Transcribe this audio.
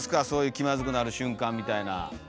そういう気まずくなる瞬間みたいな。